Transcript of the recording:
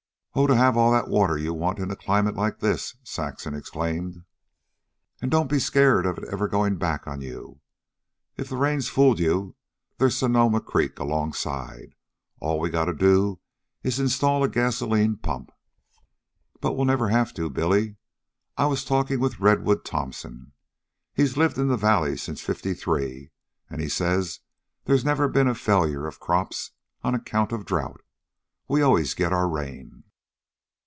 "Oh, to have all the water you want in a climate like this!" Saxon exclaimed. "An' don't be scared of it ever goin' back on you. If the rains fooled you, there's Sonoma Creek alongside. All we gotta do is install a gasolene pump." "But we'll never have to, Billy. I was talking with 'Redwood' Thompson. He's lived in the valley since Fifty three, and he says there's never been a failure of crops on account of drought. We always get our rain."